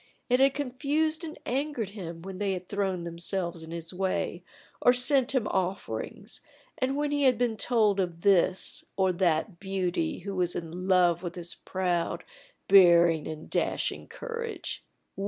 It had confused and angered him when they had thrown themselves in his way or sent him offerings, and when he had been told of this or that beauty who was in love with his proud, bearing and dashing courage.